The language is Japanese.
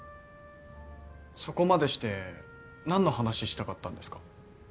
そこまでして何の話したかったんですか。